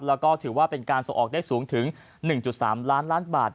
แล้วก็ถือว่าเป็นการส่งออกได้สูงถึง๑๓ล้านล้านบาท